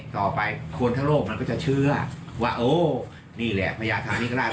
ต่อไปคนทั้งโลกมันก็จะเชื่อว่าโอ้นี่แหละพญาธานิกราช